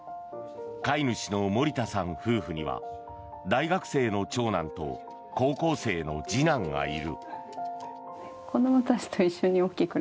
飼い主の森田さん夫婦には大学生の長男と高校生の次男がいる。